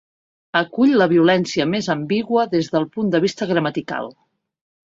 Acull la violència més ambigua des del punt de vista gramatical.